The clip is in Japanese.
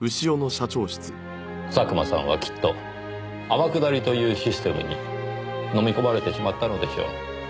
佐久間さんはきっと天下りというシステムに飲み込まれてしまったのでしょう。